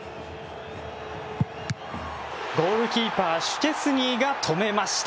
ゴールキーパーシュチェスニーが止めました。